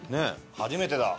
初めてだ！